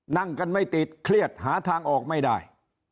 นั่งกันไม่ติดเครียดหาทางออกไม่ได้